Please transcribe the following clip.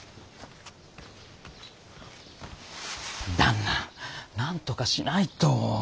旦那何とかしないと！